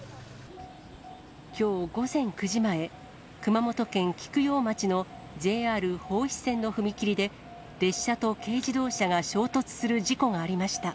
きょう午前９時前、熊本県菊陽町のＪＲ豊肥線の踏切で、列車と軽自動車が衝突する事故がありました。